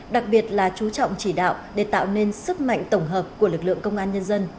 đặc biệt là chú trọng chỉ đạo để tạo nên sức mạnh tổng hợp của lực lượng công an nhân dân